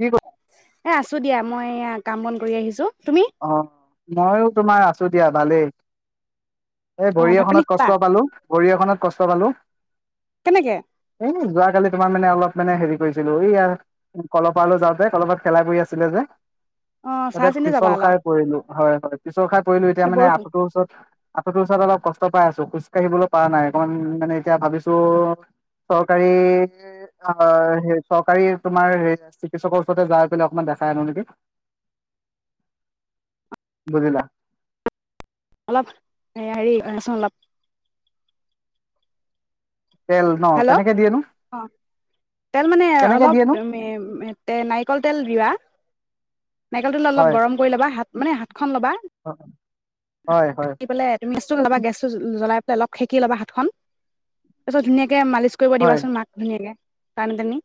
কি ক এ আছো দিয়া মই কাম বন কৰি আহিছোঁ অঁ ময়ো তোমাৰ আছো দিয়া ভালেই এই অ ভৰি ভাত পানী এখনত খালা কষ্ট পালো ভৰি এখনত কষ্ট পালো কেনেকে! যোৱ কালি তোমাৰ মানে অলপ মানে হেৰি কৰিছিলো এই ই কলপাত যাওঁতে কলপাত খেলা কৰি আছিলে যে অঁ চাই তাতে চিন্তি যি। পিছল খাই পৰিলো। হয় হয় পিছল খাই পৰিলো, এতি মানে বৰষুণ আঁঠুটোৰ ওচৰত আঁঠটোৰ ওচৰত অলপ কষ্ট পাই আছো। খোজ কাঢ়িবলৈ পৰা নাই অকমান মানে এতিয়া ভাবিছো চৰকাৰী আহ চৰকাৰী তোমাৰ চিকিৎসকৰ ওচৰতে যাই পলে অকমান দেখাই আনো নেকি বুজিলা। অলপ হেৰিচোন অলপ তেল ন হেল্ল' কেনেকে দিয়েনো অঁ তেল মানে কেনেকে অলপ দিয়েনো নাৰিকল তেল দিয়া নাৰিকলটো অলপ হয় গৰম কৰি ল'বা হাত মানে হাতখন ল'বা হয় হয় পেলাই তুমি গেছটো লবা গেছটো জ্বলাই অলপ সেকি ল'বা হাতখন তাৰপিছত ধুনীয়া এতিয়া মালিচ। কৰিব হয় দিবাচোন মাক ধুনীয়াকে তানি তানি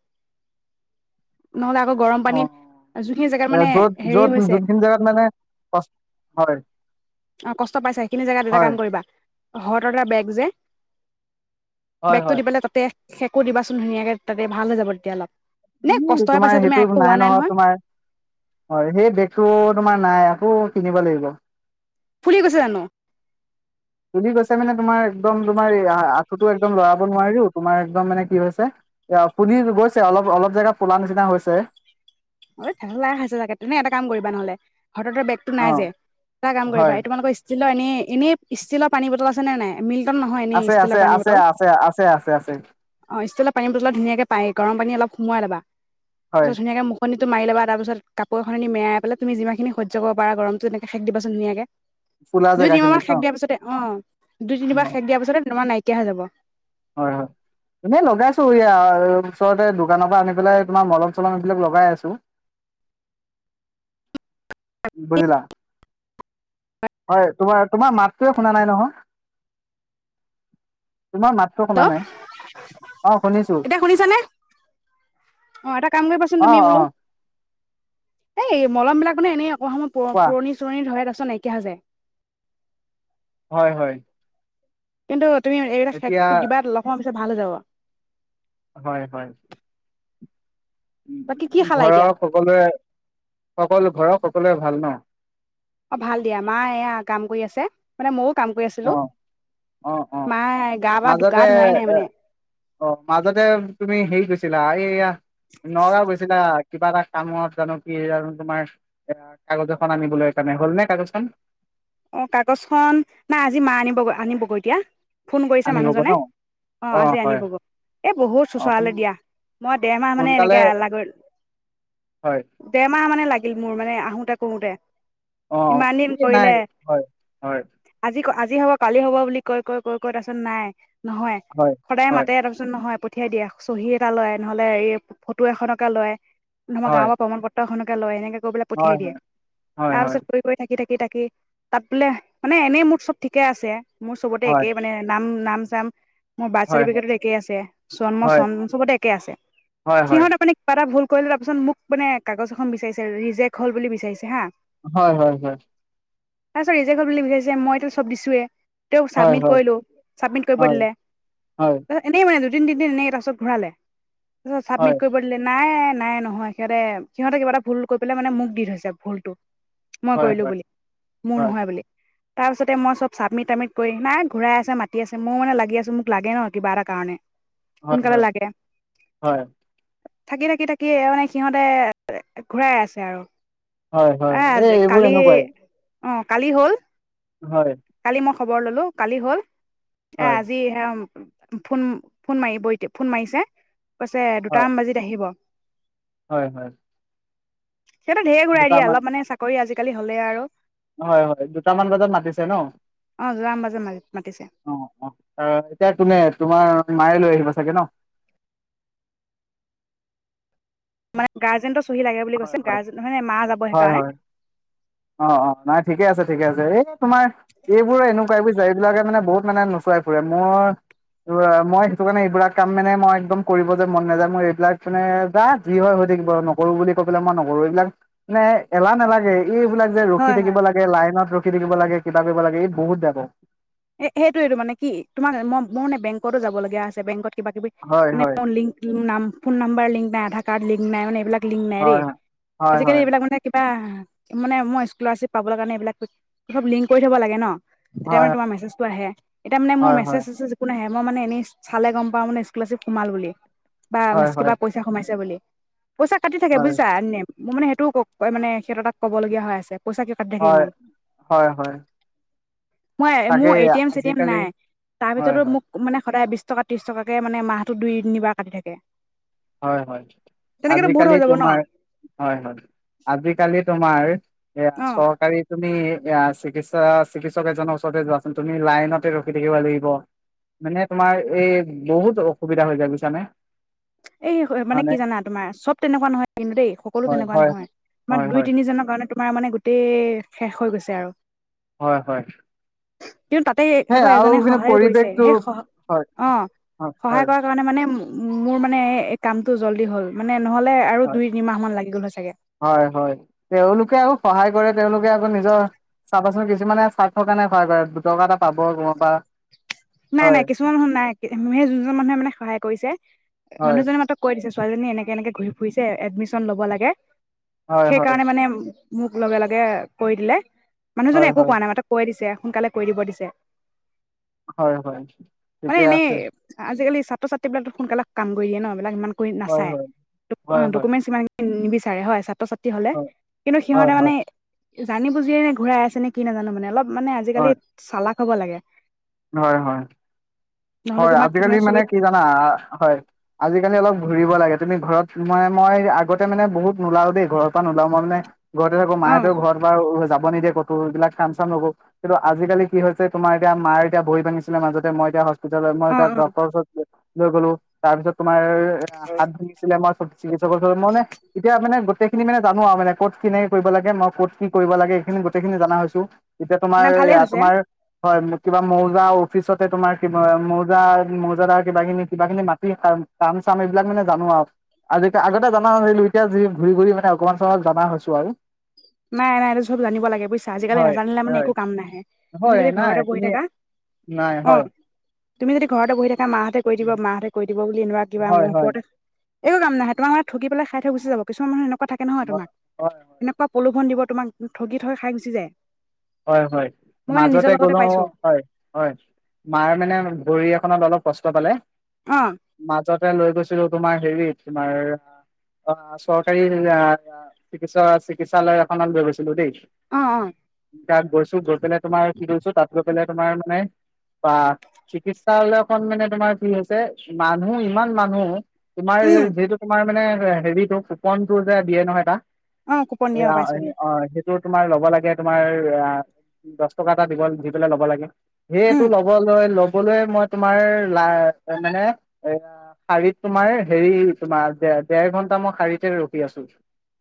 অঁ মানে য'ত- হেৰি য'ত হৈছে যোনখিনি জোগাত মানে পাছ হয়। অঁ কষ্ট পাইছে সেইতো জেগাত এটা হয় কাম কৰিবা ঘৰটোলৈ বেগ যে বেগটো দিবে তাতে সেকো দিবাচোন ধুনীয়াকে তাতে ভাল হৈ যাব তেতিয়া অলপ। নে ইও কষ্টহে পাইছা তোমাৰ তুমি সেইটো একো হোৱা নাই নহয় তোমাৰ, হয় সেই বেগটো তোমাৰ নাই। আকৌ কিনিব লাগিব। ফুলি গৈছে জানো? তুলি তোৰ একদম লৰাব নোৱাৰিও তোমাৰ একদম মানে কি হৈছে, এ ফুলি গৈছে অলপ অলপ জেগা ফুলা নিচিনা হৈছে। অ থেহেলা খাইছে চাগে তেনে এটা কাম কৰিবা নহলে সতত বেগতটো অ নাই যে এটা কাম কৰিবা হয় এই তোমালোকৰ। ষ্টলৰ এনে এনেই ষ্টিলৰ পানী বটল আছে নে নাই মিলইক নহয় এনে আছে আছে ষ্টিলৰ পানী আছে বটল, আছে আছে আছে আছে অ ষ্টিলৰ পানী বটল ধুনীয়াকে পাই গৰম পানী অলপ। সোমোৱাই লবা হয় পিছত ধুনীয়াকে মুখ কণীটো মাৰি ল'বা তাৰপিছ কাপোৰ এখন মেৰাই পেলাই তুমি যিমানখিনি সহ্য কৰিব পাৰা গৰমটো এনেকে সেক দিবা ধুনিয়াকে। ফুলা দুই জেগা তিনিবাৰ খিনিত ন শেক দিয়াৰ পিছতে অ দুই তিনিবাৰ অ শেক দিয়াৰ পিছতে তোমাৰ নাই। কেয়াহে যাব হয় হয় এনেই লগাইছো ইয়াৰ ওচৰতে দোকানৰ পৰা আনি পেলাই তোমাৰ মলম চলম এইবিলাক লগাই আছো। বুজিলা হয় তোমাৰ তোমাৰ মাতটোৱে শুনা নাই নহয়। তোমাৰ মাতটো শুনা হেল্ল' নাই অ শুনিছো এতিয়া শুনিছানে অ এটা কাম কৰিবাচোন অ তুমি অ বোলো এই মলম বিলাক মানে এনেই গহা সময়ত পুৰ কোৱা পুৰনি চুৰনি ধৰে নাইকিয়া হৈ যায়। হয় হয় কিন্তু তুমি এতিয়া হেকটো দিবা অলপ সময় পাছত ভাল হৈ যাব। হয় হয় বাকী কি উ খালা ঘৰৰ এতিয়া সকলোৱে সকলো ঘৰৰ সক সকলোৰে ভাল ন অ ভাল দিয়া মা এয়া কাম কৰি আছে মানে মই ও অ অ অ মায়ে গা বা গা মাজতে ধোৱাই নাই এ মানে অ মাজতে তুমি হেৰি কৈছ। ছিলা এইয়া নগাঁও গৈছিলা কিবা এটা কামত জানো কি জ তোমাৰ এ কাগজ এখন আনিবলৈ কাৰণে হ'ল নে কাগজ খন অ কাগজ খন নাই আজি মা আনিবৈ আনিবগৈ এতিয়া ফোন কৰিছে আনিবগৈ ন মানুহজনে অ আজি আনিবগ এই বহুত অ চোচৰালৈ দিয়া মই দেৰমাহ মানে সোনকালে এনেকেলাগ হয় দেৰমাহ মানে ল মোৰ মানে আহোতে কৰোতে অ অ ইমান স দিন নাই কৰিলে হয়। হয় আজি হ'ব কালি হ'ব বুলি কয় কয় কয় কয় তাৰছত নাই। নহয় হয়, সদায় হয়, মাতে তাৰ পিছত নহয়। পঠিয়াই দিয়ে চহী এটা লয় নহ'লে এই ফটো এখনকে লয়। আমাৰ হয়, গাঁৱৰ প্ৰমাণ পত্ৰখননে ক লয় এনে পঠিয়াই হয়, দিয়ে হয়, হয়, হয়, তাৰ পাছত কৰি কৰি থাক। থাকি থাকি থাকি তাত বোলে মানে এনেই মোৰ চব ঠিকে আছে। মোৰ চবতে হয়, একেই মানে নাম। নাম চাম মোৰ বাৰ্থ হয়, চাৰ্টিফিকেটো একে আছে জন্ম হয়, চম চবতে একে আছে হয়, হয়, হয়, সিহঁত আপানে কিবা এটা ভুল। কৈলে তাৰপাছত মোক মানে কাগজ এখন বিচাৰিছে ৰিজেক্ট হ'ল বুলি বিচাৰিছে হা হয় হয় হয়। তাৰপিছত ৰিজেক্'ট বুলি বুলি বোজাইছে মইতো চব দিছোৱে। তেওঁ হয়, চাবমিট কৰিলো চাবমিট কৰিব হয়, হয়, দিলে হয়, এনেই মানে। দুদিন তিদিন এনেই তাৰ ঘূৰালে। তছ [inaudible] হয়, হয়, হয়, চাবমিট কৰিব দিলে নাই। নাই নহয় সিহঁতে সিহঁতে কিবা এটা ভুল কৰি পেলাই মানে মোক দি থৈছে ভুলটো। মই কৰিলো বুলি। মোৰ হয়, নহয় বুলি। তাৰপিছতে মই চব চাবমিট তাবমিট কৰি নাই ঘূৰাই আছে মাতি আছে মই মানে লাগি আছো। মোক লাগে ন কিবা এটা কাৰণে। হয় সোনকালে হয় লাগে হয়। থাকি থাকি থাকি মানে সিহঁতে ঘূৰাই আছে আৰু হয় হয় এই এ এইবোৰ কালি সেনেকুৱাই। অ' কালি হ'ল। হয় কালি মই খবৰ ল'লো কালি হ'ল। হয়, আহ আজি অ' ফোন ফোন মাৰি ব ফোন মাৰিছে। কৈছে হয়, দুটামান বাজিত আহিব। হয় হয়। সিহতঁ‌ৰ ধেৰ ঘূৰাই দিয়ে দুটামান অলপ মানে চাকৰি। কালি হ'লে আৰু হয় হয় দুটামান বজাত মাতিছো। অ দুটামান বাজাত মাতিছে এতিয়া কোনে তোমাৰ মায়ে লৈ আহিব চাগে ন? মানে গাৰ্জেনট, চহী লাগে বুলি হয়, কৈছিল হয়, গাৰ্জেনৰ নহয় নে, মা যাব সেইকাৰণে। অঁ, অঁ, নাই ঠিকে আছে, ঠিকে আছে এই তোমাৰ এইবোৰ এনেকুৱাই বুজিছা এইবিলাকে মানে বহুত মানে নোচুৱাই ফুৰে মোৰ মই সেইটো কাৰণে এইবিলাক কাম মানে মই একদম কৰিব যে মন নেযায় মোৰ এইবিলাক মানে যা যি হয় হৈ থাকিব নকৰো বুলি কৈ পেলাই মই নকৰো এইবিলাক মানে এলাহ নেলাগে, এইবিলাক যে ৰখি হয় হয় থাকিব লাগে লাইনত ৰখি, থাকিব লাগে কিতাপ দিব লাগে ই বহুত বেয়া পাওঁ। এ', সেইটোয়েটো মানে কি তোমাৰ ম' মই মানে বেংকতো যাব লগীয়া আছে বেংকত, কিবা -কিবি হয় মানে হয় ফোন নাম্বাৰ লিংক নাই, আধাৰ কাৰ্ড লিংক, - ফোন নাই মানে এই বিলাক, লিং নাই দেই হয় হয় আজিকালি হয় এইবিলাক মানে কিবা মানে মই স্কুলাৰশ্বিপ পাবলৈ কাৰণে এইবিলাকব লিংক কৰি থব লাগে ন', তেতিয়া মানে হয় তোমাৰ, সেইতো আহে এতিয়া মানে মোৰ হয় মেচেজ - চেচেজ একো, নাহে মই মানে এনেই চালে গম পাওঁ মানে স্কুলাৰশিপ সোমাল বুলি। বা হয় হয় কিবা, হয় পইচা সোমাইছে বুলি। পইচা কাটি থাকে হয় বুজিছা এনিটাইম। মোৰ মানে সেইটোও ক'মানে সিহঁত তাত ক'বলগীয়া হৈ আছে। পইচা কিয় কাটি থাকে হয় ইমান - হয়- হয়। মই তাকে মোৰ এটি -এম, চি- টি- এম আজিকালি নাই তাৰ হয় ভিতৰতো হয় মোক মানে সদায় বিচ, টকা, ত্ৰিশ টকাকে মানে মাহটো দুই- তিনিবাৰ কাটি থাকে। হয়-হয় তেনেকেতো বহুত আজিকালি হৈ যাব ন তোমাৰ হয় -হয় আজিকালি, তোমাৰ, এয়া অ চৰকাৰী তুমি, এয়া চিকিৎসা, চিকিৎসক এজনৰ ওচৰতে যোৱাচোন, তুমি লাইনতে ৰখি থাকিব লাগিব মানে তোমাৰ এই বহুত অসুবিধা হৈ যায় বুজিছানে। এই মানে হয়নে কি জানা তোমাৰ চব তেনেকুৱা নহয় কিন্তু দেই সকলো হয় তেনেকুৱা হয় নহয়, তোমাৰ হয় দুই- হয় তিনিজনৰ কাৰণে, তোমাৰ মানে গোটেই শেষ হৈ গৈছে আৰু, হয় -হয়। কিন্তু তাতেই সেই আকৌ আৰু এজনে কিন্তু সহায়ও কৰিছে পৰিৱেশটো সেই সহ, হয় হয় অ'সহায় হয় কৰা কাৰণে মানে, মোৰ মানে, মানে এই কামটো জল্দি হ'ল মানে, নহ'লে আৰু হয়, দুই তিনিমাহ মান লাগি গ'ল হয় চাগে - হয়, -হয়, তেওঁলোকে আৰু সহায় কৰে। তেওঁলোকে আকৌ নিজৰ চাবাচোন কিছুমানে চাৰ্থৰ কাৰণে সহায় কৰে দুটকা এটা পাব তোমাৰ পা। নাই নাই কিছুমান মানুহ নাই, সে যোনজন মানুহে মানে সহায় কৰিছে হয় মানুহজনে মাতক কৈ দিছে। ছোৱালীজনী এনেকে এনেকে ঘূৰি ফুৰিছে এডমিছন ল'ব লাগে। হয় হয় সেইকাৰণে মানে মোক। লগে লগে কৈ দিলে। মানুহজননে হয় একো হয় কোৱা নাই মাত্ৰ কৈ দিছে। সোনকালে কৰি দিব দিছে। হয় হয় মানে, ঠিকে এনেই আছে আজিকালি ছাত্ৰ ছাত্ৰী বিলাকো সোনকালে কাম। কৰি দিয়ে ন। সেই বিলাক ইমান কৰি হয় নাচায়, হয় ড হয় হয় ডকমেণ্ট সিমানকে নিবিচাৰে। হয় ছাত্ৰ ছাত্ৰী। হলে হয় কিন্তু হয় সিহঁতে হয় মানে। জানি বুজিয়ে ঘূই আছে কি নাজানো মানে অলপ। মানে আজিকালি চালাক। হ'ব লাগে। হয় হয়। নহ'লে হয়, তোমাক আজিকালি মানে চবে কি জানা হয় আজিকালি অলপ। ঘুৰিব লাগে, তুমি ঘৰত মানে মই আগতে মানে বহুত নোলাও দেই ঘৰৰ পৰা নোলাও মই মানে। ঘৰতে থাকো অ মায়েতো ঘৰত বাৰ যাব নিদিয়ে। কতো, এইবিলাক খাম চাম লগো কিন্তু আজিকালি কি হৈছে তোমাৰ এতিয়া মাৰ এতিয়া ভৰি ভাঙিছিলে মাজতে মই এতিয়া হস্পিটেলত। মই অ তক অ ডক্টৰ ওচৰত লৈ গলো। তাৰপিছত। তোমাৰ হাত ভাঙিছিলে আমাৰ চিকিৎসকৰ ওচৰত মই মানে এতিয়া মানে। গোটেইখিনি মানো জানো আৰু মানে, ক'ত কিনেকে কৰিব লাগে মই ক'ত কি কৰিব লাগে এইখিনি গোটেইখিনি জনা হৈছো। এতিয়া তোমাৰ নাই ভালেই এ, হৈছে তোমাৰ। হয় কিবা মৌজা অফিচতে তোমাৰ।। কিবা মৌজা মৌজাদাৰ কিবাখিনি, কিবা খিনি মাটি কাম চাম এইবিলাক মানে জানো আৰু আজি আগতে জনা নাছিলো এতিয়া ঘূৰি ঘূৰি মানে অকমান চক জনা হৈছো আৰু। নাই নাই, এইটো চব জানিব লাগে বুজিছা আজিকালি হয় নাজানিলে মানে হয় একো কাম নাহে তুমি হয় যদি নাই ঘৰতে বহি তুমি থাকা নাই অ। হয় তুমি যদি ঘৰতে বহি থাকা। এটা মাহঁতে কৰি দিব মাহঁতে কৈ দিব বুলি এনেকুৱা কিবা হয় মোৰ হয় ওপৰতে। একো কাম নাই তোমাক লোকক পেলায় খাই থই গুচি যাব কিছুমান। থাকে নহয় হয় তোমাক হয় এনেকুৱা। প্ৰলোভন দিব তোমাক ঠগি থগৈ খাই গুচি যায়। হয় হয়, মই মানে মাজতে নিজৰ লগতে গলো পাইছো হয় হয় মাৰ মানে ভৰি এখনত অলপ। কষ্ট পালে। অ', মাজতে লৈ গৈছিলো। তোমাৰ হেৰি তোমাৰ অঁ চৰকাৰী চিৎ চিকিৎসালয় এখনত লৈ গৈছিলো দেই। অঁ অঁ। তাত গৈছো গৈ পেলাই তোমাৰ কি কৰিছো তাত গৈ পেলাই। তোমাৰ মানে বা চিকিৎসালয়খন মানে তোমাৰ কি হৈছে মানুহ ইমান মানুহ। তোমাৰ উম, যিহেটো তোমাৰ মানে, হেৰিতটো কুপন টো যে দিয়ে নহয় এটা। অ', কুপন দিয়ে অ', পাইছো এ দিয়ে অঁ। তোমাৰ ল'ব লাগে। তোমাৰ অ দহ টকা এটা দিব দি পলে ল'ব লাগে। সেইটো উম, ল'ব লৈ ল। কবলৈ মই তোমাৰ লা মানে এ শাৰীত তোমাৰ হেৰি তোমাৰ দে দেৰ ঘন্টা মই শাৰীতে ৰখি আছো।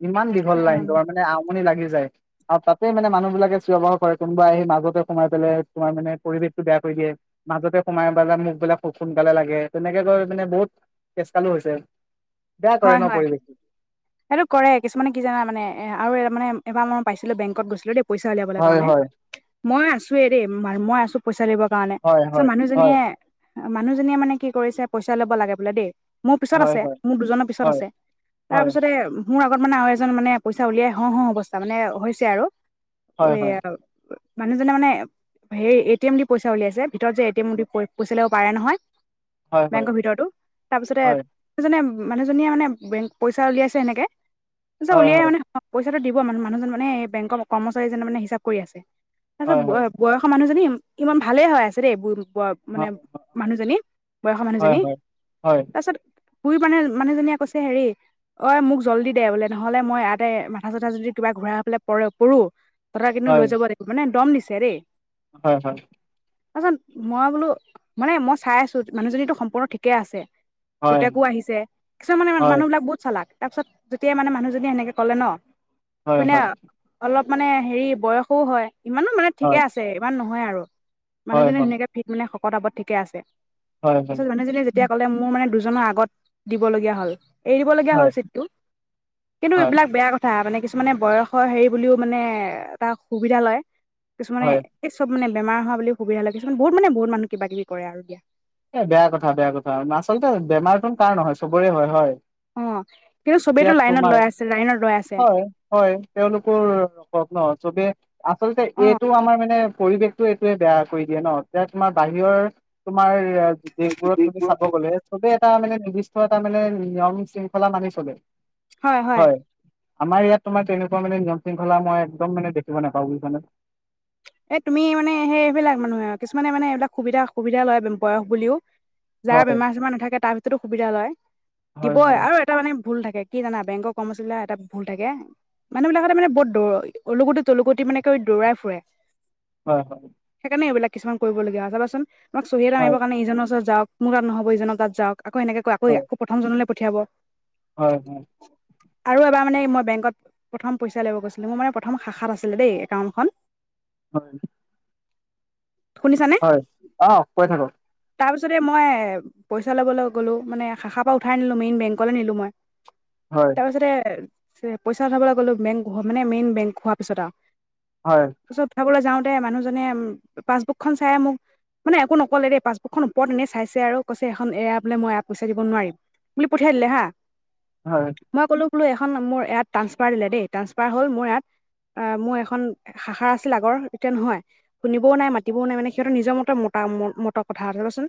ইমান দীঘল লাইন অ', তোমাৰ মানে। লাগি যায় আৰু তাত। মানে মানুহ বিলাকে চিঞৰ বাখৰ কৰে কোনোবা আহি মাজতে সোমাই পেলাই তোমাৰ মানে পৰিৱেশটো বেয়া কৰি দিয়ে মাজতে সোমাই পেলাই মুখবিলাক খুব সোনকালে লাগে তেনেকে গৈ মানে বহুত তেজকালো হৈছে। বেয়া কৰে হয় ন হয়, পৰিৱেশটো এইটো কৰে কিছুমানে কি জানা মানে এ আৰু মানে। এবাৰ মই পাইছিলো বেংকত গৈছিলো দেই। পইচা উলিয়াবলৈ হয় কাৰণে। হয় মই আছো এ দেই ম মই আছো পইচা দিব। কাৰণে হয় চ হয় হয় মানুহজনীয়ে। মানুহজনীয়ে মানে কি কৰিছে পইচা ল'ব লাগে বোলে দেই। মোৰ পিছত হয় আছে হয় মোৰ দুজনৰ, পিছত হয়, আছে তাৰ হয়, পিছতে, মোৰ আগত মানে আৰু এজন মানে পইচা উলিয়াই হওঁ হওঁ অৱস্থা মানে হৈছে আৰু। হয়, হয়, এয়া আৰু। মানুহজনে মানে হে এ টি এম দি পইচা উলিয়াইছে। ভিতৰত যে এ টি ম পইছা উলিয়াব, পাৰে নহয়। হয়, হয়, বেংকৰ ভিতৰতো হয়, তাৰপিছতেজনে, মানুহজনীয়ে মানে বেংক পইচা উলিয়াইছে এনেকে, পিছে হয়, হয়, হয়, উলিয়াই মানে, দিব মানে মানুহজন মানে বেংকৰ কৰ্মচাৰীজ মানে হিচাপ কৰি আছে। তাৰপিছত হয়, হয়, বয়সৰ মানুহজনি। ইমান ভালে হয় আছে দেই। ব মানে মানুহজনী বয়সৰ হয়, হয়, মানুহজনী হয়, হয়, তাৰপিছত। শুই পানাই। মানুহজনীয়ে কৈছে হেৰি ঐ মোক জল্দি দে বোলে নহলে মই ইয়াতে মাথা চাথা যদি কিবা ঘূৰাই পেলাই প পৰো। তৰা কিন্তু হয়, লৈ যাব লিব মানে দম দি চে। ছেৰে। হয় হয়। তাৰপিছত মই বোলো মানে মই চাই আছো মানুহজনীতো সম্পূৰ্ণ ঠিকে আছে। হয়, পুতেকো আহিছে। মান মানুহবিলাক বহুত চালু। তাৰপিছত যেতিয়াই মানে মানুহজনী সেনেকে কলে ন। হয় ইপিনে হয়। অলপ মানে হেৰি বয়সও হয়। ইমানো মানে ঠিকে আছে ইমান নহয়। নহয় আৰু। মানুহজনে সুনেনাকে ভি মানে। তাবত ঠিকে আছে। তাৰপাছত মানুহজনিয়ে যেতিয়া ক'লে মোৰ মানে দু। জ আগত। দিবলগীয়া হ'ল। এৰিবলগীয়া হয়, হ'ল চিটটো কিন্তু হয়, এইবিলাক বেয়া কথা মানে কি। মানে বয়সৰ হেৰি বুলিও মানে এটা সুবিধা লয়। কিছুমানে হয়, এই চব মানে। বেমাৰ অ হয় বুলি সুবিধা লয় কিছুমান বহুত মানে বহুত মানু্হ কিবা কিবি কৰে আৰু দয়া। এ তাৰ নহয় চবৰে হয়। অ', কিন্তু চবেইতো এতিয়া লাইনত তোমাৰ লৈ আছে, লাইনত ৰৈ আছে। হয় হয় তেওঁলোকৰ ন চবে। আচলতে অ', এইটো আমাৰ মানে। পৰিৱেশটো এইটোৱে বেয়া কৰি দিয়ে ন এ তোমাৰ বাহিৰৰ তোমাৰ। দেশবোৰত তুমি চাব গলে চবে এটা মানে নিৰ্দিষ্ট। তাৰ মানে নিয়ম শৃংখলা মানি চলে। হয় হয়। আমাৰ ইয়াত তোমাৰ তেনেকুৱা মানে নিয়ম শৃংখলা মই একদম মানে দেখিব নাপাওঁ ব বুলিছানে। এ তুমি মানে সেই এইবিলাক মানুহে কিছুমানে মানে এইবিলাক সুবিধা সুবিধা লয় বয়স বুলিও। যাৰ হয়, বেমাৰ চেমাৰ নাথাকে তাৰ ভিতৰতো সুবিধা লয় হয়, দিবই হয়, আৰু এটা মানে। ভুল থাকে কি জানা বেংকৰ কৰ্মচাৰী এটা ভুল থাকে মানুহ বিলাকতে মানে বৰত দৌ অলুগুটি তলুগুটি মানে কৰি দৌৰাই ফুৰে। হয় হয়। সেইকাৰণে এইবিলাক কিছুমান কৰিবগীয়া চাবাচোন। তাক চহী এটা হয়, মাৰিব কাৰণে ইজনৰ ওচৰত যাওঁ। মোৰ তাত নহব ইজনক ত যাওক। আকৌ এনেকৈ আকৌ হয়, আকৌ প্ৰথম জনলৈ। পঠিয়াব। হয় হয়। আৰু, এবাৰ মানে মই বেংকত প্ৰথম পইচা লব গৈছিলো মোৰ মানে প্ৰথম শাখাত আছিলে দেই একাউন্টখন। হয়। হয়, আহ কৈ থাকক। তাৰ পিছতে মই, পইচা লবলৈ গ'লো মানে শাখাৰ পৰা উঠাই নিলো মেইন বেংকলৈ নিলো মই। হয়, তাৰ পাছতে। পইচা উঠাবলৈ গ'লো, বেংক মানে মেইন বেংক হোৱাৰ পিছত আৰু। হয়। তালে যাওতে মানুহজনে পাছবুকখন চাই মোক মানে একো নকলে দেই, পাছবুকখন ওপৰত এনেই চাইছে আৰু কৈছে এখন এয়া বোলে মই পইচা দিব নোৱাৰিম বুলি পঠিয়াই দিলে হা। হয়। মই ক'লো মোৰ বুলো ইয়াত টানচ্ পাৰ হল মোৰ ইয়াত অঁ মোৰ এই খন। ৰ হয় শুনিবওঁ নাই মাতিবওঁ নাই মানে সিহঁতৰ নিজৰ মতে মতা মতৰ কথা আছে কচোন।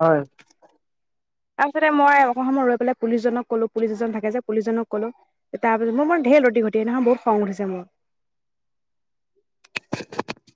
হয়। তাৰপিছতে মই অক সময় ৰৈ পেলাই পুলিচজনক কলো পুলিচ এজন থাকে যে পুলিচজনক কলো তাৰ পিছত মোৰ ম ঢেৰ ৰতি ঘটি নহয় বহুত খং উঠিছে মোৰ। [unintelligible]